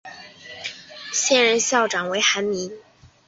现任校长为韩民。